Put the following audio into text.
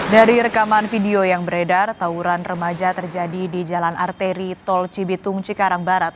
dari rekaman video yang beredar tawuran remaja terjadi di jalan arteri tol cibitung cikarang barat